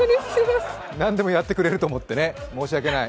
何でもやってくれると思ってね、申し訳ない。